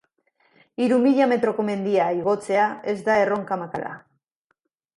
Hiru mila metroko mendia igotzea ez da erronka makala da.